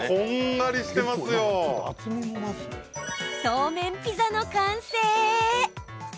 そうめんピザの完成。